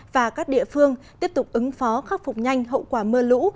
và các địa phương tiếp tục ứng phó khắc phục nhanh hậu quả mưa lũ